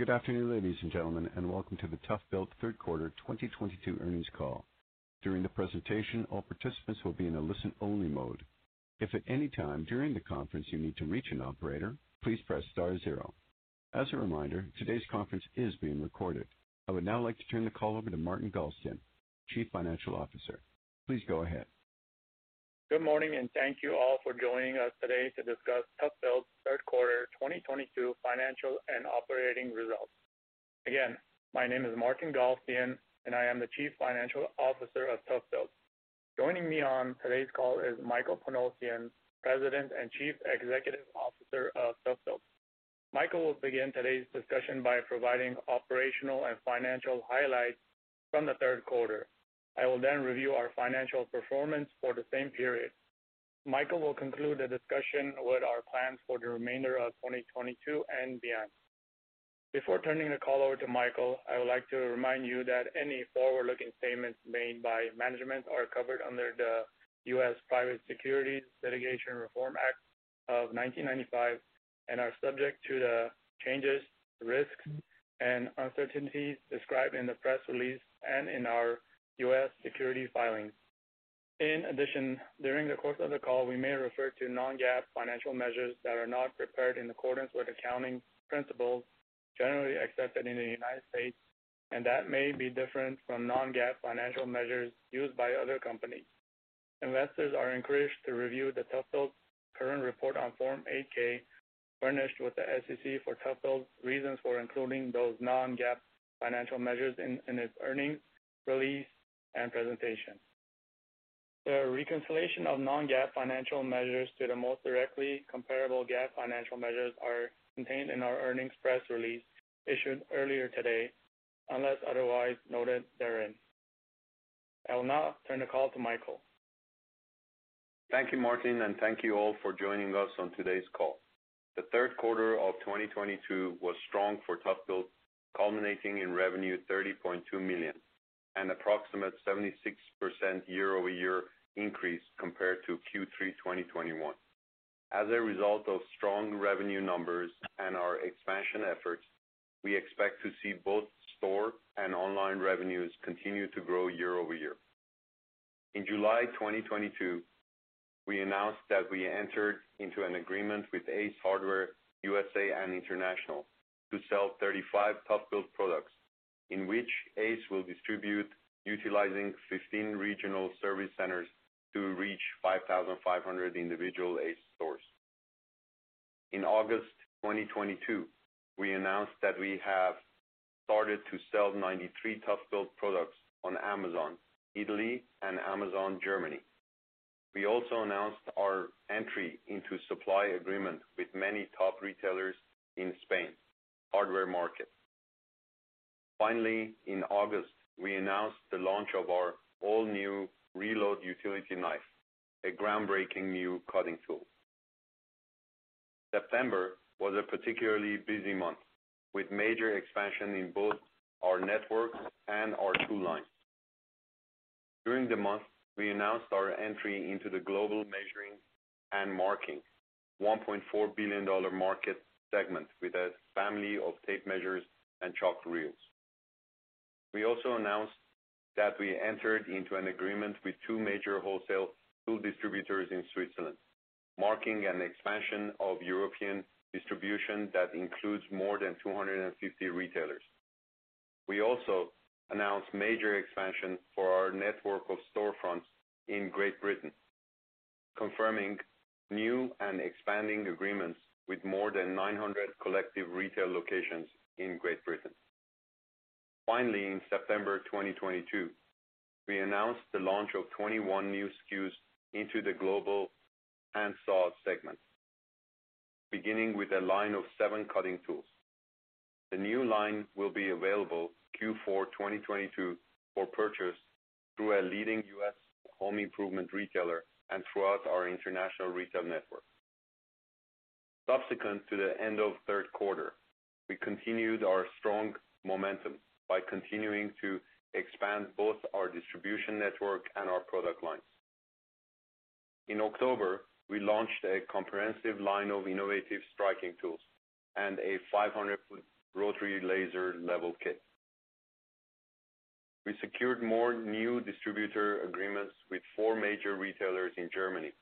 Good afternoon, ladies and gentlemen, and welcome to the ToughBuilt Third Quarter 2022 Earnings Call. During the presentation, all participants will be in a listen-only mode. If at any time during the conference you need to reach an operator, please press star zero. As a reminder, today's conference is being recorded. I would now like to turn the call over to Martin Galstyan, Chief Financial Officer. Please go ahead. Good morning, and thank you all for joining us today to discuss ToughBuilt's Third Quarter 2022 Financial and Operating Results. Again, my name is Martin Galstyan, and I am the Chief Financial Officer of ToughBuilt. Joining me on today's call is Michael Panosian, President and Chief Executive Officer of ToughBuilt. Michael will begin today's discussion by providing operational and financial highlights from the third quarter. I will then review our financial performance for the same period. Michael will conclude the discussion with our plans for the remainder of 2022 and beyond. Before turning the call over to Michael, I would like to remind you that any forward-looking statements made by management are covered under the U.S. Private Securities Litigation Reform Act of 1995 and are subject to the changes, risks, and uncertainties described in the press release and in our U.S. SEC filings. In addition, during the course of the call, we may refer to non-GAAP financial measures that are not prepared in accordance with accounting principles generally accepted in the United States and that may be different from non-GAAP financial measures used by other companies. Investors are encouraged to review the ToughBuilt current report on Form 8-K furnished with the SEC for ToughBuilt reasons for including those non-GAAP financial measures in its earnings release and presentation. The reconciliation of non-GAAP financial measures to the most directly comparable GAAP financial measures are contained in our earnings press release issued earlier today, unless otherwise noted therein. I will now turn the call to Michael. Thank you, Martin, and thank you all for joining us on today's call. The third quarter of 2022 was strong for ToughBuilt, culminating in revenue $30.2 million, an approximate 76% year-over-year increase compared to Q3 2021. As a result of strong revenue numbers and our expansion efforts, we expect to see both store and online revenues continue to grow year over year. In July 2022, we announced that we entered into an agreement with Ace Hardware U.S.A. and International to sell 35 ToughBuilt products, in which Ace will distribute utilizing 15 regional service centers to reach 5,500 individual Ace stores. In August 2022, we announced that we have started to sell 93 ToughBuilt products on Amazon Italy and Amazon Germany. We also announced our entry into supply agreement with many top retailers in Spain hardware market. Finally, in August, we announced the launch of our all-new Reload Utility Knife, a groundbreaking new cutting tool. September was a particularly busy month, with major expansion in both our network and our tool line. During the month, we announced our entry into the global measuring and marking $1.4 billion market segment with a family of Tape Measures and Chalk Reels. We also announced that we entered into an agreement with two major wholesale tool distributors in Switzerland, marking an expansion of European distribution that includes more than 250 retailers. We also announced major expansion for our network of storefronts in Great Britain, confirming new and expanding agreements with more than 900 collective retail locations in Great Britain. Finally, in September 2022, we announced the launch of 21 new SKUs into the global hand saw segment, beginning with a line of 7 cutting tools. The new line will be available Q4 2022 for purchase through a leading U.S. home improvement retailer and throughout our international retail network. Subsequent to the end of third quarter, we continued our strong momentum by continuing to expand both our distribution network and our product lines. In October, we launched a comprehensive line of innovative Striking Tools and a 500 ft. Rotary Laser Level Kit. We secured more new distributor agreements with four major retailers in Germany,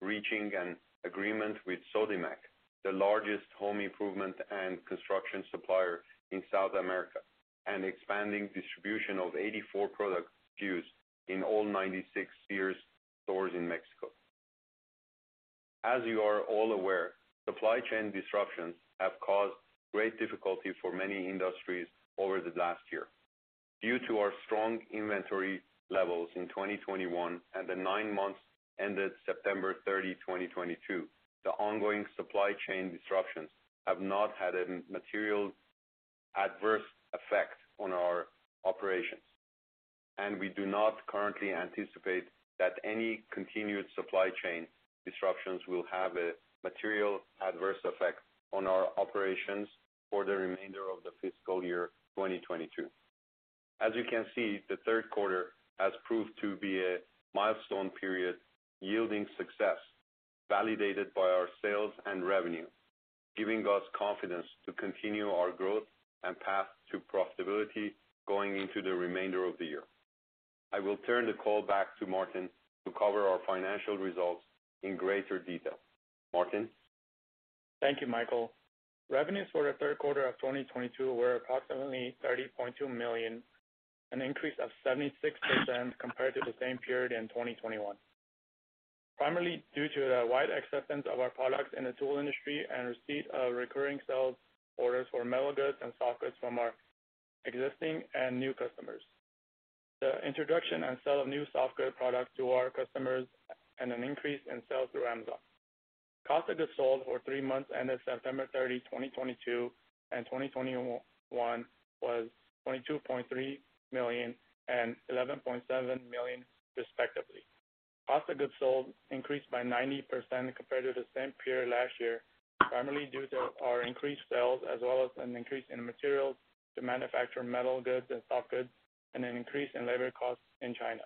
reaching an agreement with Sodimac, the largest home improvement and construction supplier in South America, and expanding distribution of 84 product SKUs in all 96 Sears stores in Mexico. As you are all aware, supply chain disruptions have caused great difficulty for many industries over the last year. Due to our strong inventory levels in 2021 and the 9 months ended September 30, 2022, the ongoing supply chain disruptions have not had a material adverse effect on our operations, and we do not currently anticipate that any continued supply chain disruptions will have a material adverse effect on our operations for the remainder of the fiscal year 2022. As you can see, the third quarter has proved to be a milestone period yielding success, validated by our sales and revenue, giving us confidence to continue our growth and path to profitability going into the remainder of the year. I will turn the call back to Martin to cover our financial results in greater detail. Martin. Thank you, Michael. Revenues for the third quarter of 2022 were approximately $30.2 million, an increase of 76% compared to the same period in 2021, primarily due to the wide acceptance of our products in the tool industry and receipt of recurring sales orders for metal goods and soft goods from our existing and new customers, the introduction and sale of new soft goods products to our customers and an increase in sales through Amazon. Cost of goods sold for three months ended September 30, 2022 and 2021 was $22.3 million and $11.7 million, respectively. Cost of goods sold increased by 90% compared to the same period last year, primarily due to our increased sales as well as an increase in materials to manufacture metal goods and soft goods, and an increase in labor costs in China.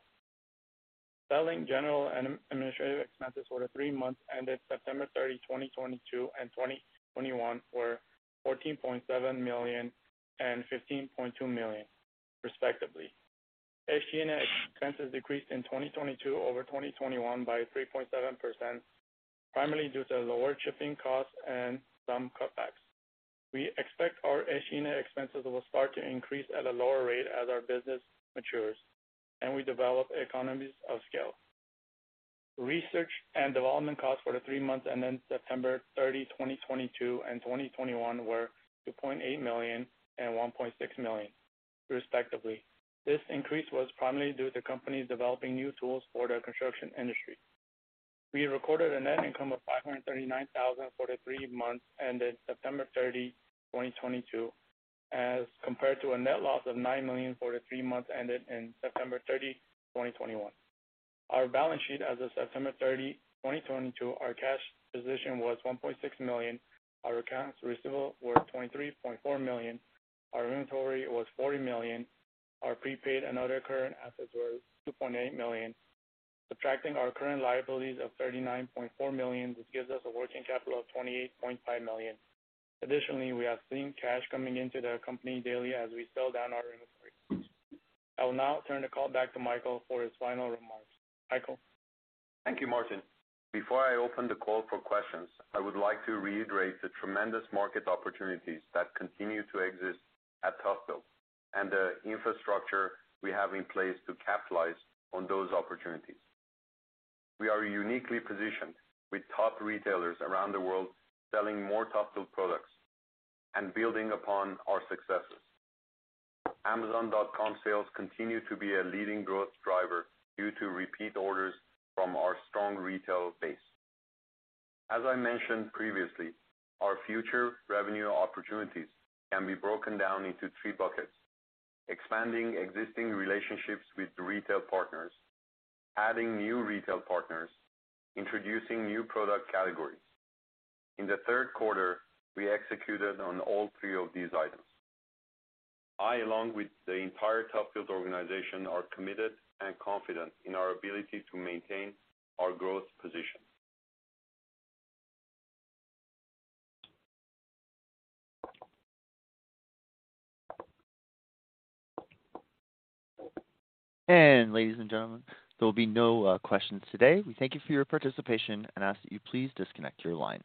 Selling, general, and administrative expenses for the three months ended September 30, 2022 and 2021 were $14.7 million and $15.2 million, respectively. SG&A expenses decreased in 2022 over 2021 by 3.7%, primarily due to lower shipping costs and some cutbacks. We expect our SG&A expenses will start to increase at a lower rate as our business matures and we develop economies of scale. Research and development costs for the three months ending September 30, 2022 and 2021 were $2.8 million and $1.6 million, respectively. This increase was primarily due to companies developing new tools for the construction industry. We recorded a net income of $539,000 for the three months ended September 30, 2022, as compared to a net loss of $9 million for the three months ended September 30, 2021. Our balance sheet as of September 30, 2022, our cash position was $1.6 million. Our accounts receivable were $23.4 million. Our inventory was $40 million. Our prepaid and other current assets were $2.8 million. Subtracting our current liabilities of $39.4 million, this gives us a working capital of $28.5 million. Additionally, we are seeing cash coming into the company daily as we sell down our inventory. I will now turn the call back to Michael for his final remarks. Michael. Thank you, Martin. Before I open the call for questions, I would like to reiterate the tremendous market opportunities that continue to exist at ToughBuilt and the infrastructure we have in place to capitalize on those opportunities. We are uniquely positioned with top retailers around the world selling more ToughBuilt products and building upon our successes. Amazon.com sales continue to be a leading growth driver due to repeat orders from our strong retail base. As I mentioned previously, our future revenue opportunities can be broken down into three buckets. Expanding existing relationships with retail partners, adding new retail partners, introducing new product categories. In the third quarter, we executed on all three of these items. I along with the entire ToughBuilt organization, are committed and confident in our ability to maintain our growth position. Ladies and gentlemen, there will be no questions today. We thank you for your participation and ask that you please disconnect your line.